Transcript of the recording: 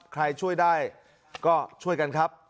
ใครช่วยได้ก็ช่วยกันครับ